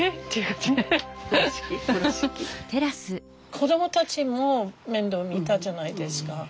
子どもたちも面倒見たじゃないですか。